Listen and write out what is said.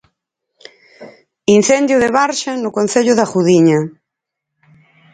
Incendio de Barxa, no concello da Gudiña.